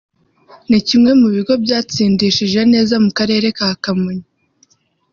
ni kimwe mu bigo byatsindishije neza mu Karere ka Kamonyi